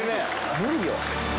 無理よ。